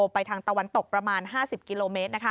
ไปทางตะวันตกประมาณ๕๐กิโลเมตร